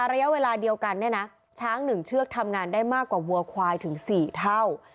ระยะเวลาเดียวกันเนี่ยนะช้าง๑เชือกทำงานได้มากกว่าวัวควายถึง๔เท่า